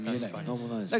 何もないです。